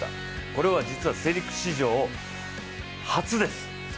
これは世陸史上初です。